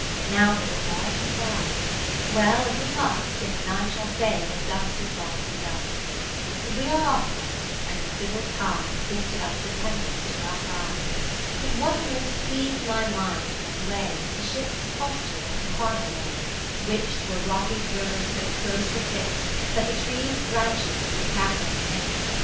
Now they were all surpris'd. Well, if we must, Yet none shall say that dust is gone to dust. 1 ' Hoist ' as obligatory, is quite modern. ( 519 ) Kath ert7te Philipi^ But we are off now, and the civil tide Assisted us the tempests to out ride. But what most pleased my mind upon the way, Was the ships' posture that in har bour lay : 50 Which to a rocky grove so close were fix'd, That the trees' branches with the tackling mix'd.